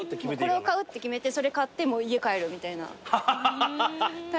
これを買うって決めてそれ買って家帰るみたいなタイプで。